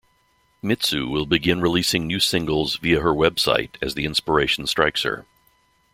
Mitsou will begin releasing new singles via her website as the inspiration strikes her.